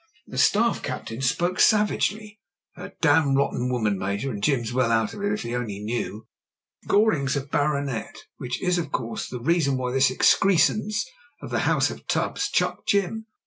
The Staff captain spoke savagely. "A damn rotten woman. Major, and Jim's well out of it, if he only knew. .Goring's a baronet, which is, of course, the reason why this excrescence of the house of Tubbs chucked Jim.